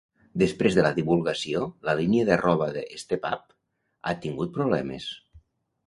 Després de la divulgació, la línia de roba de StepApp ha tingut problemes.